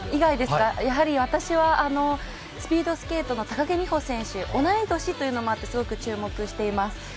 私はスピードスケートの高木美帆選手、同い年というのもあってすごく注目しています。